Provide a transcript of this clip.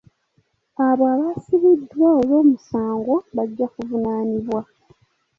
Abo abaasibiddwa olw'omusango bajja kuvunaanibwa